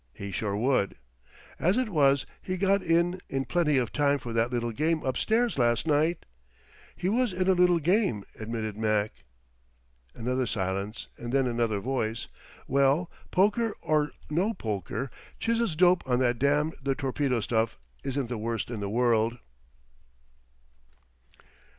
"He sure would." "As it was, he got in in plenty of time for that little game up stairs last night?" "He was in a little game," admitted Mac. Another silence, and then another voice: "Well, poker or no poker, Chiz's dope on that damn the torpedo stuff isn't the worst in the world!"